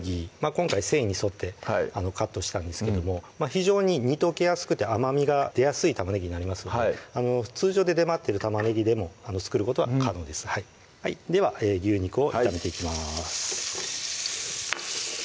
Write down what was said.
今回繊維に沿ってカットしたんですけども非常に煮溶けやすくて甘みが出やすい玉ねぎになりますので通常で出回ってる玉ねぎでも作ることは可能ですでは牛肉を炒めていきます